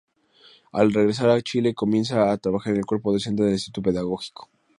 Al regresar a Chile, comienza a trabajar en el cuerpo docente del Instituto Pedagógico.